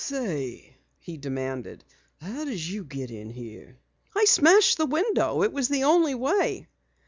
"Say," he demanded, "how did you get in here?" "Smashed the window. It was the only way."